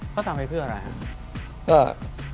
เขาทำไปเพื่ออะไรครับ